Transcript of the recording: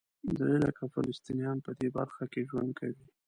درې لکه فلسطینیان په دې برخه کې ژوند کوي.